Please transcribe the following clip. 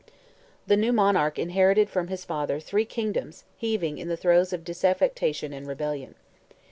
The new monarch inherited from his father three kingdoms heaving in the throes of disaffection and rebellion.